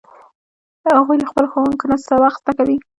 هغوی له خپلو ښوونکو نه سبق زده کوي